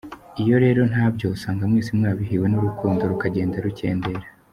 Iyo rero ntabyo usanga mwese mwabihiwe n’urukundo rukagenda rucyendera.